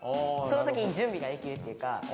そのときにじゅんびができるっていうか。